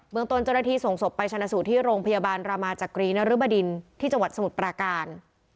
ตนเจ้าหน้าที่ส่งศพไปชนะสูตรที่โรงพยาบาลรามาจักรีนรบดินที่จังหวัดสมุทรปราการ